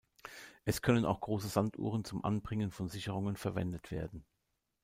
Es können auch große Sanduhren zum Anbringen von Sicherungen verwendet werden.